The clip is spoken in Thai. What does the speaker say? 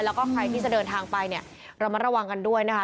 แล้วก็ใครที่จะเดินทางไปเนี่ยระมัดระวังกันด้วยนะคะ